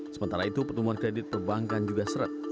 sementara itu pertumbuhan kredit perbankan juga seret